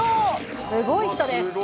すごい人です。